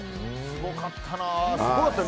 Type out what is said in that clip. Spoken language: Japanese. すごかったな。